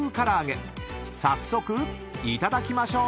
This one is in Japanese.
［早速いただきましょう］